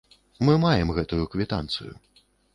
Мы маем гэтую квітанцыю.